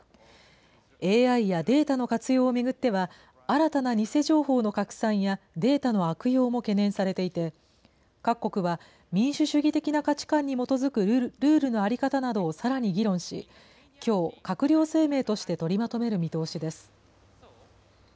ＡＩやデータの活用を巡っては、新たな偽情報の拡散やデータの悪用も懸念されていて、各国は民主主義的な価値観に基づくルールの在り方などをさらに議論し、きょう、閣僚声明として取りまとめる見通しです。